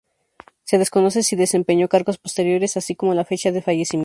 Se desconoce si desempeñó cargos posteriores así como la fecha de fallecimiento.